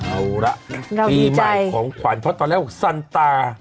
เอาละปีใหม่ของขวัญเพราะตอนแรกบอกซันตา